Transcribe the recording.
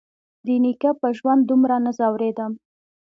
د نيکه په ژوند دومره نه ځورېدم.